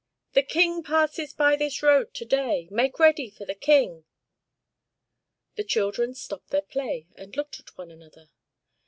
the King passes by this road to day. Make ready for the King!" The children stopped their play, and looked at one another.